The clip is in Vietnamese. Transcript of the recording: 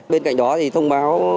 bên cạnh đó thì thông báo